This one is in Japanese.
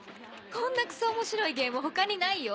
こんなクソ面白いゲーム他にないよ。